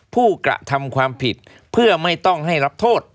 ผู้กระทำความผิดเพื่อไม่ต้องให้รับโทษ